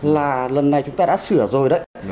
là lần này chúng ta đã sửa rồi đấy